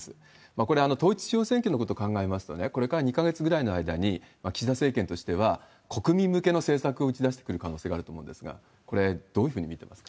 これ、統一地方選挙のことを考えますと、これから２か月ぐらいの間に、岸田政権としては国民向けの政策を打ち出してくる可能性あると思うんですが、これ、どういうふうに見てますか？